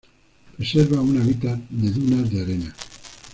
Preserva un hábitat de dunas de arena.